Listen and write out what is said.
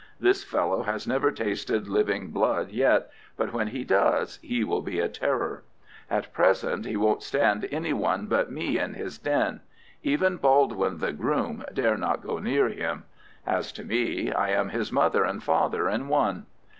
This fellow has never tasted living blood yet, but when he does he will be a terror. At present he won't stand any one but me in his den. Even Baldwin, the groom, dare not go near him. As to me, I am his mother and father in one."